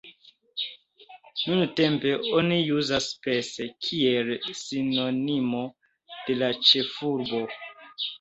Nuntempe oni uzas "Pest", kiel sinonimo de la ĉefurbo.